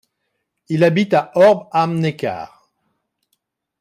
Il habite à Horb am Neckar.